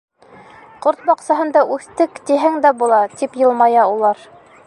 — Ҡорт баҡсаһында үҫтек, тиһәң дә була, — тип йылмая улар.